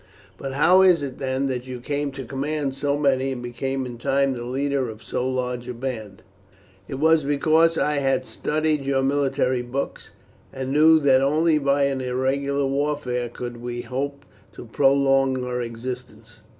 "But how is it, then, that you came to command so many, and became in time the leader of so large a band?" "It was because I had studied your military books, and knew that only by an irregular warfare could we hope to prolong our existence.